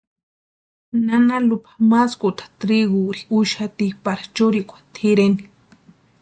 Nana Lupa maskuta triguri úxati para churikwa tʼireni.